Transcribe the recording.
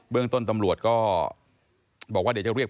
พ่อทำบ่อยไหมครับ